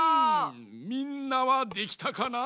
みんなはできたかな？